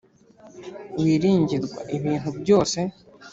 wiringirwa ibintu byose